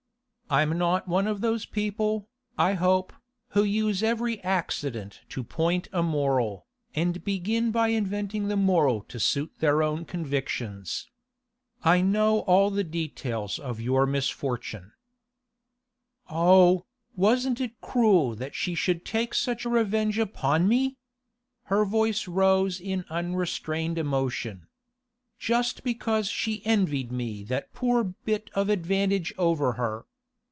I'm not one of those people, I hope, who use every accident to point a moral, and begin by inventing the moral to suit their own convictions. I know all the details of your misfortune.' 'Oh, wasn't it cruel that she should take such revenge upon me!' Her voice rose in unrestrained emotion. 'Just because she envied me that poor bit of advantage over her!